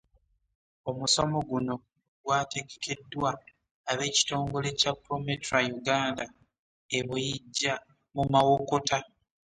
Omusomo guno gwategekeddwa ab'ekitongole kya Prometra Uganda e Buyijja mu Mawokota.